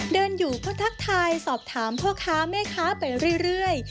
เดินอยู่ก็ทักทายสอบถามพ่อค้าแม่ค้าไปเรื่อย